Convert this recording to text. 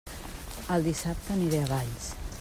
El dissabte aniré a Valls!